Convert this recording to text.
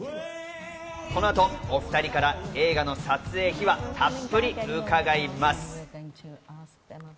この後、お２人から映画の撮影秘話、たっぷり伺います。